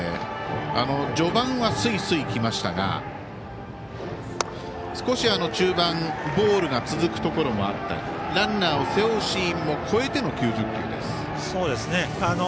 序盤はスイスイ来ましたが少し中盤ボールが続くところもあったりランナーを背負うシーンを超えての９０球です。